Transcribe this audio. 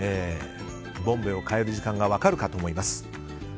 ボンベを変える時間が分かるかと思います。